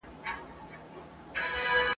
یو وژل کیږي بل یې په سیل ځي !.